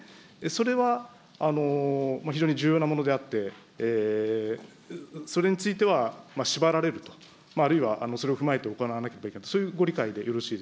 それは非常に重要なものであって、それについてはしばられると、あるいはそれを踏まえて行われなければいけない、そういうご理解